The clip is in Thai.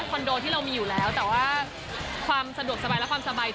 คือแต่วุ้นไม่อยากมาพูดอะไรมาก